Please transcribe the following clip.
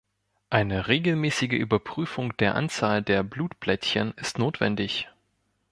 Eine regelmäßige Überprüfung der Anzahl der Blutplättchen ist notwendig.